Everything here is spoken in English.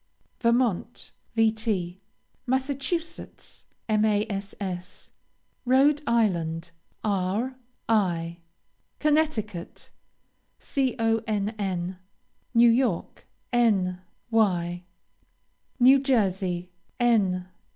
Vermont, Vt. Massachusetts, Mass. Rhode Island, R. I. Connecticut, Conn. New York, N. Y. New Jersey, N.